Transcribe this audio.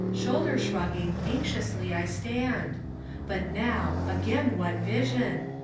Shoulder shrugging, anxiously I stand. But now, again, what vision!